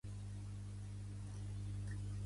S'hi criava tota mena de bestiar, preferentment vacum.